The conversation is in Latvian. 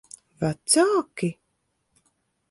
Vecāki?